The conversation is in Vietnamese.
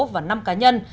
và năm cá nhân